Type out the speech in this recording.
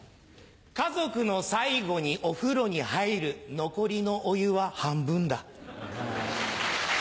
家族の最後にお風呂に入る残りのお湯は半分だ。